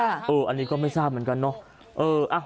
อันนี้ก็ไม่ทราบเหมือนกันเนาะ